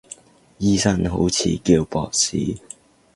醫生好似叫博士